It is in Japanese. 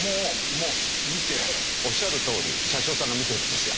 おっしゃるとおり車掌さんが見てるんですよ。